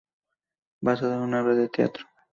Basada en una obra de teatro.